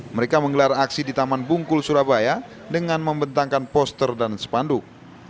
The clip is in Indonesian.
mereka menggelar aksi di taman bungkul surabaya dengan membentangkan poster dan spanduk